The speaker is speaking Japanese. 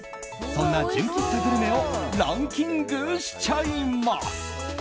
そんな純喫茶グルメをランキングしちゃいます！